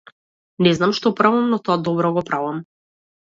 Не знам што правам но тоа добро го правам.